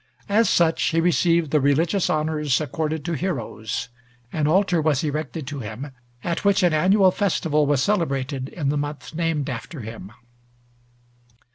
As such he received the religious honors accorded to heroes: an altar was erected to him, at which an annual festival was celebrated in the month named after him.